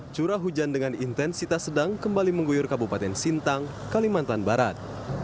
curah hujan dengan intensitas sedang kembali mengguyur kabupaten sintang kalimantan barat